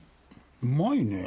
うまいねぇ。